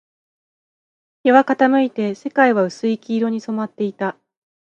日は傾いて、世界は薄い黄色に染まっていた